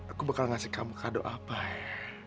aku bakal ngasih kamu kado apa ya